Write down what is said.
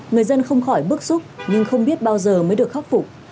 người dân không khỏi bức xúc nhưng không biết bao giờ mới được khắc phục